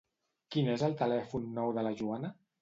Quin és el telèfon nou de la Joana?